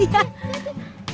satu dua ya